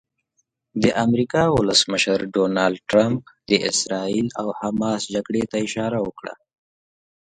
د امریکا ولسمشر ډونالډ ټرمپ د اسراییل او حماس جګړې ته اشاره وکړه.